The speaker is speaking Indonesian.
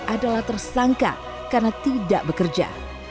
adalah tersangka karena tidak bekerja